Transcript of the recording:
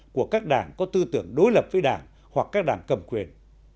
của các đảng có tư tưởng đối lập với đảng hoặc các đảng cầm quyền